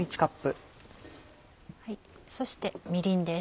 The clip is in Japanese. そしてみりんです。